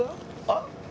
あっ！